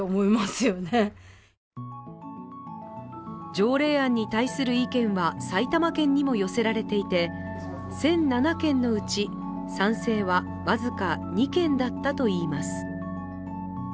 条例案に対する意見は埼玉県にも寄せられていて１００７件のうち賛成は僅か２件だったといいます。